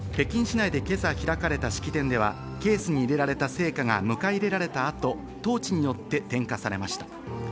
北京市内で今朝開かれた式典では、ケースに入れられた聖火が迎え入れられた後、トーチによって点火されました。